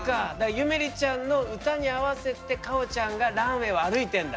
ゆめりちゃんの歌に合わせてかおちゃんがランウェイを歩いてんだ。